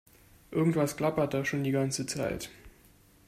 Irgendwas klappert da schon die ganze Zeit.